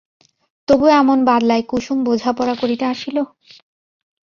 তবু এমন বাদলায় কুসুম বোঝাপড়া করিতে আসিল?